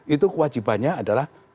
itu kewajibannya adalah